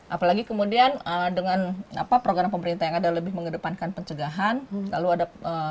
apalagi kemudian dengan program pemerintah yang ada lebih mengedepankan pencegahan lalu ada